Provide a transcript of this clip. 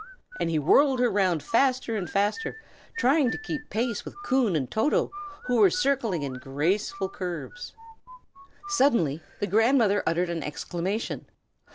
And he whirled her round faster and faster, trying to keep pace with Coon and Toto, who were circling in graceful curves. Suddenly the grandmother uttered an exclamation.